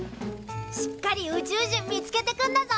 しっかり宇宙人見つけてくんだぞ！